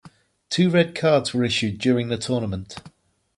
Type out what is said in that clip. Two red cards were issued during the tournament.